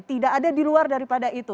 tidak ada di luar daripada itu